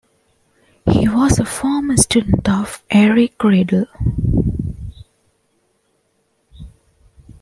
He was a former student of Eric Rideal.